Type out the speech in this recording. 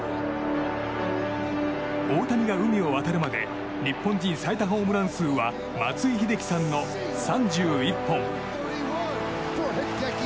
大谷が海を渡るまで日本人最多ホームラン数は松井秀喜さんの３１本。